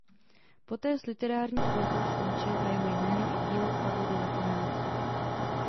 Poté s literární tvorbou skončil a jeho jméno i dílo upadlo do zapomenutí.